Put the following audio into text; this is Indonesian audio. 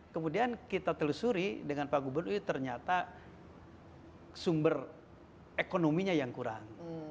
kemudian kita telusuri dengan pak gubernur ternyata sumber ekonominya yang kurang